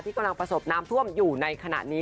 กำลังประสบน้ำท่วมอยู่ในขณะนี้